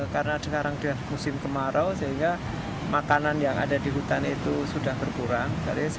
karena sekarang di musim kemarau makanan yang ada di hutan itu sudah berkurang